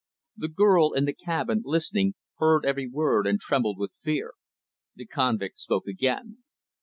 The girl in the cabin, listening, heard every word and trembled with fear. The convict spoke again.